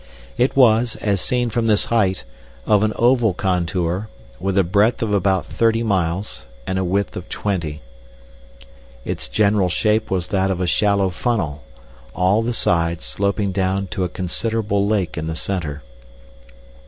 It was, as seen from this height, of an oval contour, with a breadth of about thirty miles and a width of twenty. Its general shape was that of a shallow funnel, all the sides sloping down to a considerable lake in the center.